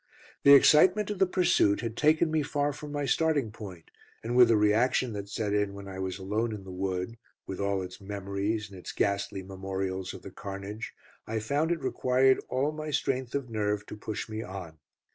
The excitement of the pursuit had taken me far from my starting point, and with the reaction that set in when I was alone in the wood, with all its memories and its ghastly memorials of the carnage, I found it required all my strength of nerve to push me on.